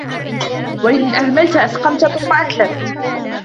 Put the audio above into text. وَإِنْ أُهْمِلَتْ أَسْقَمَتْ ثُمَّ أَتْلَفَتْ